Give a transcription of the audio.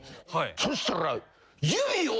そしたら。